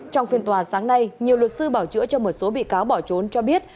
trong phiên tòa sáng nay nhiều luật sư bảo chữa cho một số bị cáo bỏ trốn cho biết